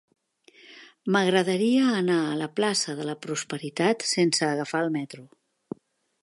M'agradaria anar a la plaça de Prosperitat sense agafar el metro.